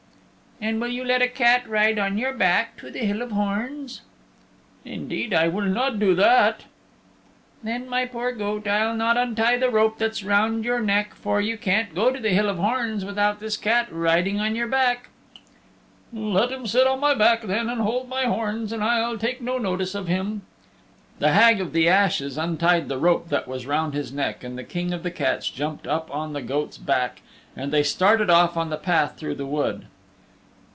"And will you let a cat ride on your back to the Hill of Horns?" "Indeed, I will not do that." "Then, my poor goat, I'll not untie the rope that's round your neck, for you can't go to the Hill of Horns without this cat riding on your back." "Let him sit on my back then and hold my horns, and I'll take no notice of him." The Hag of the Ashes untied the rope that was round his neck, the King of the Cats jumped up on the goat's back, and they started off on the path through the wood.